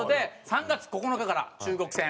３月９日から中国戦。